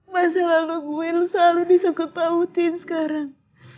masalah lo gue lo selalu disekut pautin sekarang